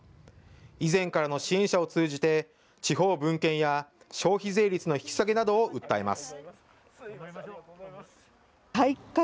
以前からの支援者を通じて、地方分権や消費税率の引き下げなどを訴えます。